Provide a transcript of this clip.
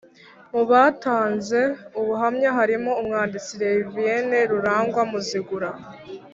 Mu batanze ubuhamya harimo Umwanditsi Reverien Rurangwa Muzigura